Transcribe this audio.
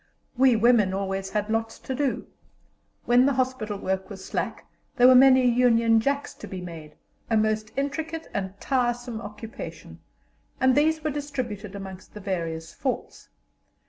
We women always had lots to do. When the hospital work was slack there were many Union Jacks to be made a most intricate and tiresome occupation and these were distributed among the various forts.